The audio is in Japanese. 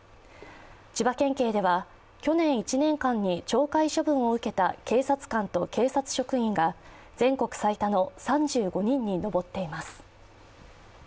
千葉県警では去年１年間に懲戒処分を受けた警察官と警察職員が全国最多の３５人に上っています。